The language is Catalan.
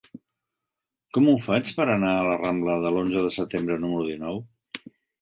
Com ho faig per anar a la rambla de l'Onze de Setembre número dinou?